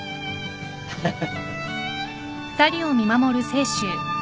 ハハハ。